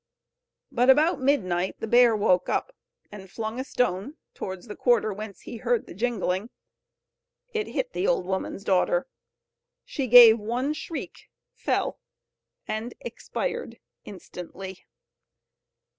But about midnight the bear woke up, and flung a stone towards the quarter whence he heard the jingling. It hit the old woman's daughter. She gave one shriek, fell, and expired instantly.